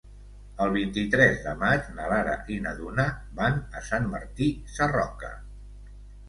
El vint-i-tres de maig na Lara i na Duna van a Sant Martí Sarroca.